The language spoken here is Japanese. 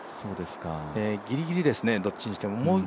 ギリギリですね、どっちにしても。